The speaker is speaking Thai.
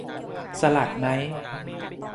สลัดมั้ย